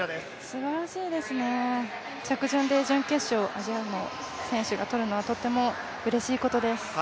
すばらしいですね、着順で準決勝、アジアの選手が取るのはとってもうれしいことです。